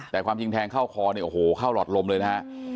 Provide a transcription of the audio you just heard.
แต่ความจริงแทงเข้าคอเนี่ยโอ้โหเข้าหลอดลมเลยนะฮะ